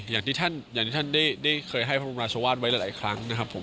อย่างที่ท่านได้เคยให้พระบรมราชวาสไว้หลายครั้งนะครับผม